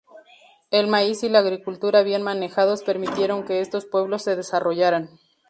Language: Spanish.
El maíz y la agricultura bien manejados permitieron que estos pueblos se desarrollaran.